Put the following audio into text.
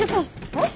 えっ？